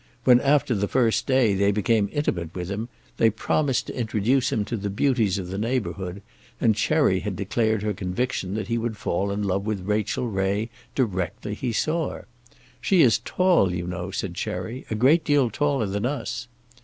When, after the first day, they became intimate with him, they promised to introduce him to the beauties of the neighbourhood, and Cherry had declared her conviction that he would fall in love with Rachel Ray directly he saw her. "She is tall, you know," said Cherry, "a great deal taller than us."